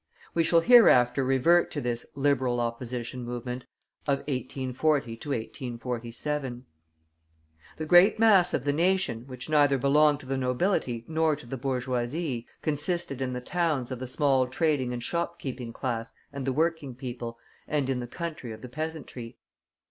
We shall hereafter revert to this Liberal Opposition movement of 1840 1847. The great mass of the nation, which neither belonged to the nobility nor to the bourgeoisie, consisted in the towns of the small trading and shopkeeping class and the working people, and in the country of the peasantry.